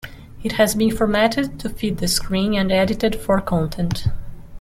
It has been formatted to fit this screen and edited for content.